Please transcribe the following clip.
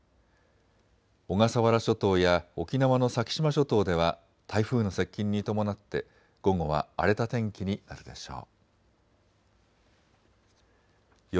小笠原諸島や沖縄の先島諸島では台風の接近に伴って午後は荒れた天気になるでしょう。